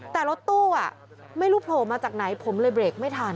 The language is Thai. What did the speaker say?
แต่รถตู้ไม่รู้โผล่มาจากไหนผมเลยเบรกไม่ทัน